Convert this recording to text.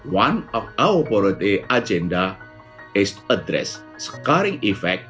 perekonomian di dunia memang sudah perlahan membaik